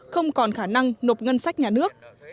không còn khả năng nộp ngân sách nhà nước